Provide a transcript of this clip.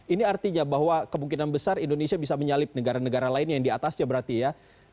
ini artinya bahwa kemungkinan besar indonesia bisa menyalip negara negara lain yang diatasnya berarti ya